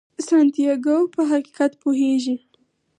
سانتیاګو په حقیقت پوهیږي.